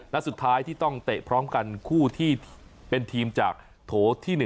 และสุดท้ายที่ต้องเตะพร้อมกันคู่ที่เป็นทีมจากโถที่๑